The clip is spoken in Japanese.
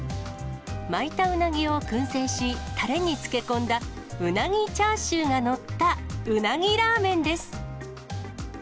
巻いたうなぎをくん製し、たれに漬け込んだ、うなぎチャーシューが載ったうなぎラーメンです。